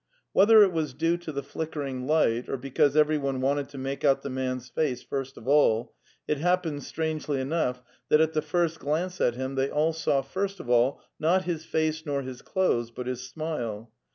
Whether it was due to the flickering light or be cause everyone wanted to make out the man's face first of all, it happened, strangely enough, that at the first glance at him they all saw, first of all, not his face nor his clothes, but his smile.